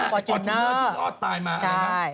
ฟอร์จูนเนอร์ที่รอดตายมา